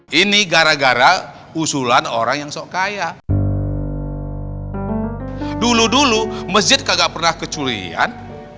hai ini gara gara usulan orang yang sok kaya dulu dulu masjid kagak pernah keculian